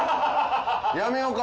やめようか？